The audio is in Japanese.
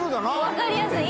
分かりやすい。